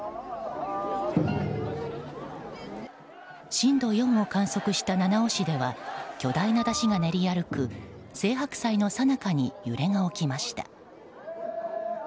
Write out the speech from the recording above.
震度４を観測した七尾市では巨大な山車が練り歩く青柏祭のさなかに揺れが起きました。